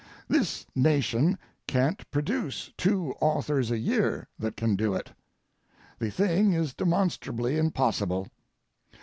This nation can't produce two authors a year that can do it; the thing is demonstrably impossible.